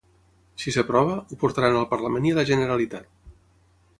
Si s'aprova, ho portaran al Parlament i a la Generalitat.